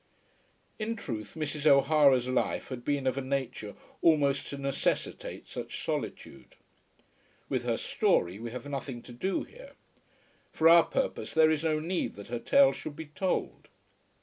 In truth Mrs. O'Hara's life had been of a nature almost to necessitate such solitude. With her story we have nothing to do here. For our purpose there is no need that her tale should be told.